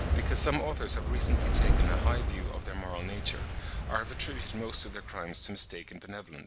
because some authors have recently taken a high view of their moral nature, or have attributed most of their crimes to mistaken benevolence.